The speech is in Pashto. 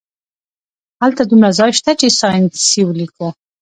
هلته دومره ځای شته چې ساینسي ولیکو